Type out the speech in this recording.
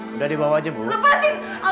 mama percaya sama aku ma